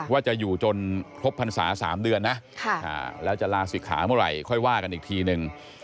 ว่าจะอยู่จนครบพรรษา๓เดือนนะแล้วจะลาศิกขาเมื่อไหร่ค่อยว่ากันอีกทีนึง